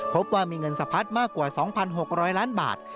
พบว่ามีเงินสะพัดมากกว่า๒๖๐๐ล้านบาท